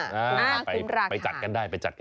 คุณค่ะคุณรักค่ะไปจัดกันได้